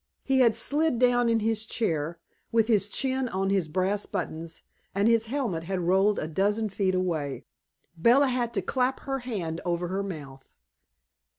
He had slid down in his chair, with his chin on his brass buttons, and his helmet had rolled a dozen feet away. Bella had to clap her hand over her mouth.